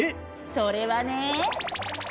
それはね。